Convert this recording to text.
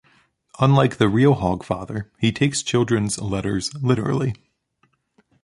Unlike the real Hogfather, he takes children's letters literally.